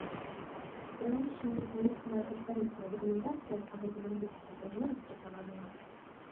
Прынамсі, праектна-каштарысная дакументацыя па гэтым аб'екце ўжо распрацаваная.